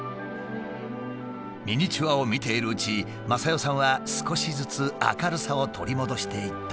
ミニチュアを見ているうち雅代さんは少しずつ明るさを取り戻していった。